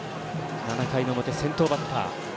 ７回の表、先頭バッター。